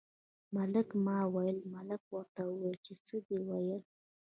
ملکه ما ویل، ملک ورته وویل چې څه دې ویل.